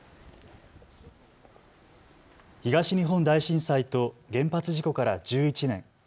東日本大震災と原発事故から１１年。